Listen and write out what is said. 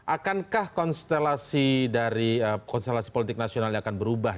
akankah konstelasi dari konstelasi politik nasional yang akan berubah